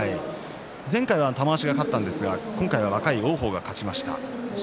前回は玉鷲が勝ったんですが今回は若い王鵬が勝ちました。